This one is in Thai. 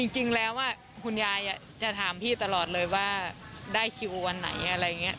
จริงแล้วคุณยายจะถามพี่ตลอดเลยว่าได้คิววันไหนอะไรอย่างนี้